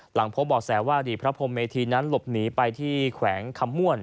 หลังพบบ่อแสว่าอดีตพระพรมเมธีนั้นหลบหนีไปที่แขวงคำม่วน